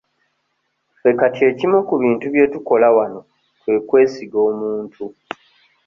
Ffe kati ekimu ku bintu bye tukola wano kwe kwesiga omuntu.